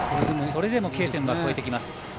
それでもＫ点は越えてきます。